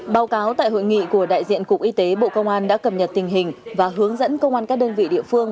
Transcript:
báo cáo tại hội nghị của đại diện cục y tế bộ công an đã cập nhật tình hình và hướng dẫn công an các đơn vị địa phương